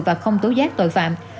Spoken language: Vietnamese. và không tố giác tội phạm